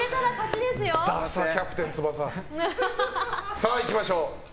さあいきましょう。